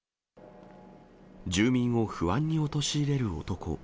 住民を不安に陥れる男。